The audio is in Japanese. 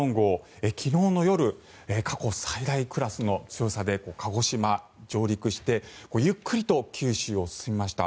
台風１４号昨日の夜、過去最大クラスの強さで鹿児島、上陸してゆっくりと九州を進みました。